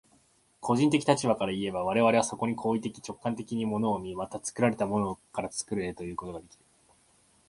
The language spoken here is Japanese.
個人的立場からいえば、我々はそこに行為的直観的に物を見、また作られたものから作るものへということができる。